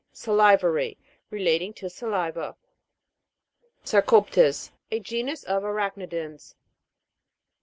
SA'LIVARY. Relating to saliva. SARCOP'TES. A genus of arachni dans.